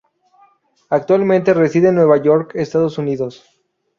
Actualmente reside en Nueva York, Estados Unidos.